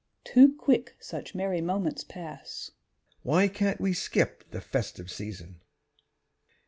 _) Too quick such merry moments pass (_Why can't we skip the "festive season"?